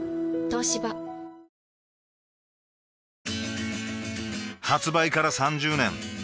東芝発売から３０年